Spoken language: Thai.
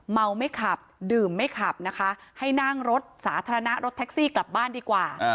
เมาไม่ขับดื่มไม่ขับนะคะให้นั่งรถสาธารณะรถแท็กซี่กลับบ้านดีกว่า